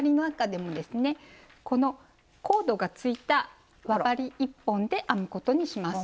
このコードがついた輪針１本で編むことにします。